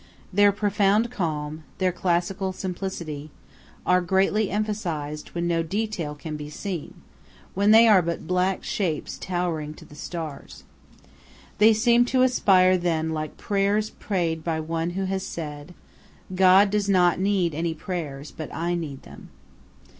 Their profound calm, their classical simplicity, are greatly emphasized when no detail can be seen, when they are but black shapes towering to the stars. They seem to aspire then like prayers prayed by one who has said, "God does not need any prayers, but I need them."